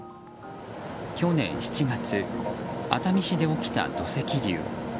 去年７月、熱海市で起きた土石流。